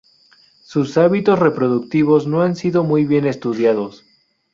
Sus hábitos reproductivos no han sido muy bien estudiados.